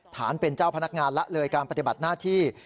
ฐานเป็นเจ้าพนักงานละเลยการปฏิบัติหน้าที่